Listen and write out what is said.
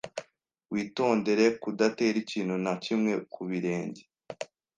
Witondere kudatera ikintu na kimwe ku birenge.